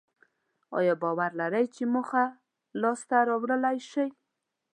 ایا باور لرئ چې موخه لاسته راوړلای شئ؟